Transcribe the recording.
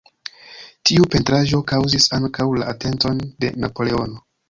Tiu pentraĵo kaŭzis ankaŭ la atenton de Napoleono.